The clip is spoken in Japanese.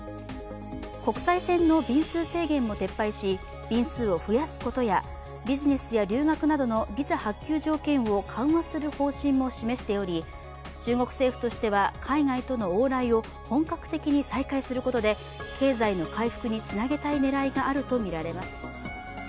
国際線の便数制限も撤廃し便数を増やすことやビジネスや留学などのビザ発給条件を緩和する方針も示しており中国政府としては海外との往来を本格的に再開することで経済の回復につなげたい狙いがあるとみられます。